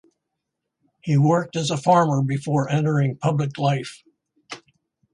He worked as a farmer before entering public life.